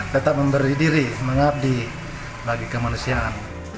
tetap memberi diri mengabdi bagi kemanusiaan